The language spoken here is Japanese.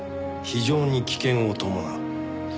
非常に危険を伴う。